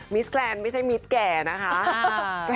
สแกรนด์ไม่ใช่มิตรแก่นะคะ